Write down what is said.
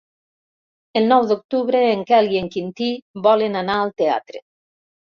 El nou d'octubre en Quel i en Quintí volen anar al teatre.